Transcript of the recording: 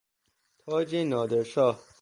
تاج نادر شاه